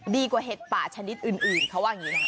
เห็ดป่าชนิดอื่นเขาว่าอย่างนี้นะ